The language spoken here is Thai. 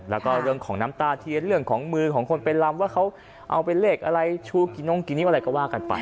แล้วก็เรื่องของน้ำตาเทียนเรื่องของมือของคนไปลำว่าเขาเอาไปเลขอะไรชูกินงกี่นิ้วอะไรก็ว่ากันไป